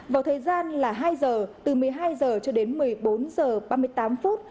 vào thời gian là hai giờ từ một mươi hai h cho đến một mươi bốn h ba mươi tám phút